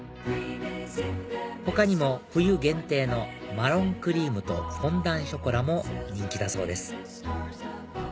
他にも冬限定のマロンクリームとフォンダンショコラも人気だそうです